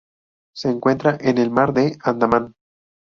Se encuentra en el Mar de Andamán.